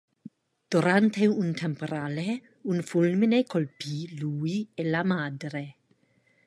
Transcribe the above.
Durante un temporale un fulmine colpì lui e la madre.